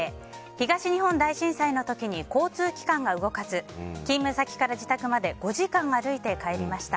東日本大震災の時に交通機関が動かず勤務先から自宅まで５時間歩いて帰りました。